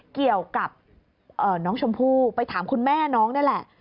เกี่ยวกับน้องชมพู่ไปถามคุณแม่น้องนี่แหละ